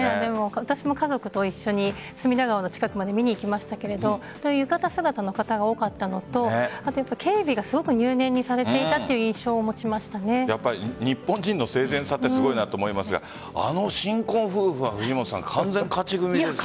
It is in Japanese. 私も家族と一緒に隅田川の近くまで見に行きましたけど浴衣姿の方が多かったのと警備がすごく入念にされていたという日本人の整然さってすごいなと思いますがあの新婚夫婦は完全勝ち組ですね。